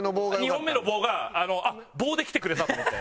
２本目の「棒」があっ「棒」できてくれたと思って。